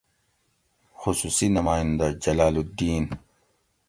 خصوصی نمائندہ: جلال الدّین